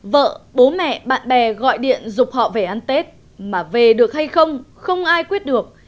vợ bố mẹ bạn bè gọi điện giúp họ về ăn tết mà về được hay không không ai quyết được